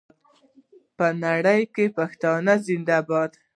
په نړۍ کې پښتانه زنده باد.